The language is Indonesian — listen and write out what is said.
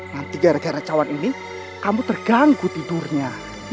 nanti gara gara cawan ini kamu terganggu tidurnya